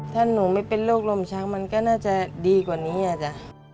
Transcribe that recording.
ถ้าหนูไม่เป็นโรคลมชักมันก็น่าจะดีกว่านี้อ่ะจ๊ะ